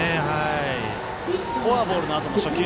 フォアボールのあとの初球。